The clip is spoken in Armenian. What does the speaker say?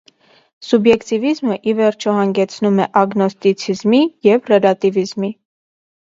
Սուբյեկտիվիզմը, ի վերջո, հանգեցնում է ագնոստիցիզմի և ռելյատիվիզմի։